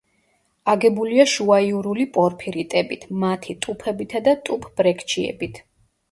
აგებულია შუაიურული პორფირიტებით, მათი ტუფებითა და ტუფბრექჩიებით.